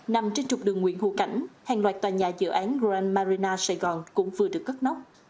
nằm trên trục đường nguyễn hữu cảnh hàng loạt tòa nhà dự án grand marina sài gòn cũng vừa được cất nóc